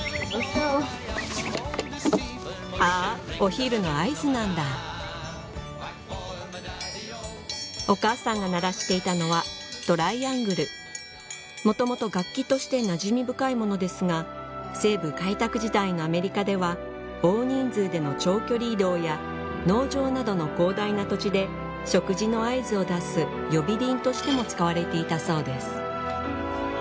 あぁお昼の合図なんだお母さんが鳴らしていたのは元々楽器としてなじみ深いものですが西部開拓時代のアメリカでは大人数での長距離移動や農場などの広大な土地で食事の合図を出す呼び鈴としても使われていたそうです